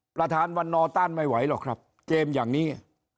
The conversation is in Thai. ประธานวันนอต้านไม่ไหวหรอกครับเกมอย่างนี้